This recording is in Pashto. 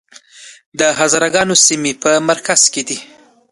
د هزاره ګانو سیمې په مرکز کې دي